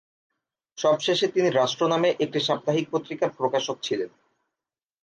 সব শেষে তিনি রাষ্ট্র নামে একটি সাপ্তাহিক পত্রিকার প্রকাশক ছিলেন।